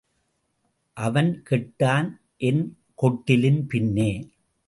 அவன் கெட்டான் என் கொட்டிலின் பின்னே.